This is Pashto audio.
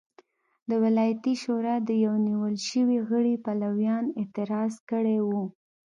د ولایتي شورا د یوه نیول شوي غړي پلویانو اعتراض کړی و.